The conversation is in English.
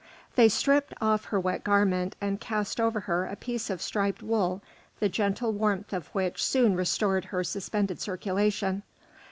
They stripped off her wet garment, and cast over her a piece of striped wool, the gentle warmth of which soon restored her suspended circulation.